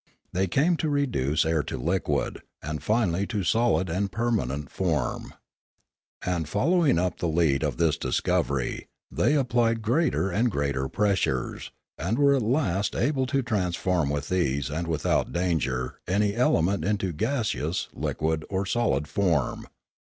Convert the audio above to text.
They came to reduce air to liquid, and finally to solid and permanent, form. And, following up the lead of this discovery, they applied greater and greater pres sures, and were at last able to transform with ease and without danger any element into gaseous, liquid, or solid form.